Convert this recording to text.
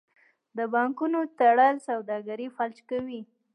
د بانکونو تړل سوداګري فلج کوي.